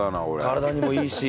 体にもいいし。